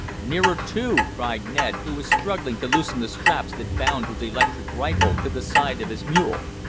"Nearer two!" cried Ned, who was struggling to loosen the straps that bound his electric rifle to the side of his mule.